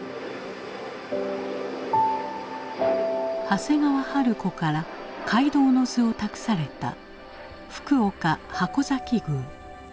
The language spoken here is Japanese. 長谷川春子から「皆働之図」を託された福岡・筥崎宮。